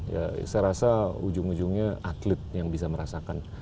ya saya rasa ujung ujungnya atlet yang bisa merasakan